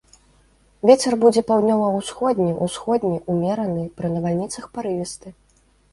Вецер будзе паўднёва-ўсходні, усходні, умераны, пры навальніцах парывісты.